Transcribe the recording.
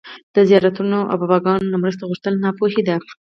د زيارتونو او باباګانو نه مرسته غوښتل ناپوهي ده